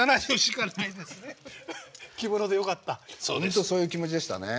本当そういう気持ちでしたね。